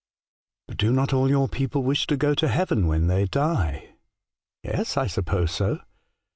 ' But do not all your people wish to go to heaven when they die ?'"' Yes ; I suppose so.'